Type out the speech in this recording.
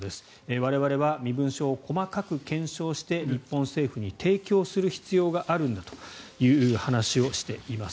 我々は身分証を細かく検証して日本政府に提供する必要があるんだという話をしています。